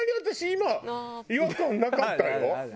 今違和感なかったよ。